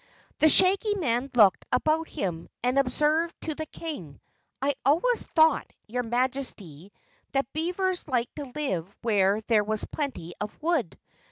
The Shaggy Man looked about him and observed to the King: "I always thought, your majesty, that beavers liked to live where there was plenty of wood.